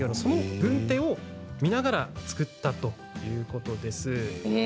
軍手を見ながら作ったということです。